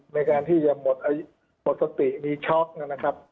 ในการที่จะหมดสติมีช็อกนะครับ